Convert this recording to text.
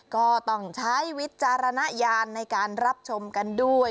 ก็ต้องใช้วิจารณญาณในการรับชมกันด้วย